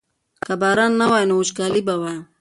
که باران نه وای نو وچکالي به وه.